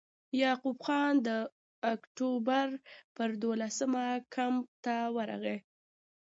یعقوب خان د اکټوبر پر دولسمه کمپ ته ورغی.